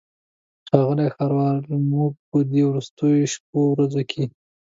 ښاغلی ښاروال موږ په دې وروستیو شپو ورځو کې.